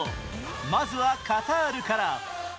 まずはカタールから。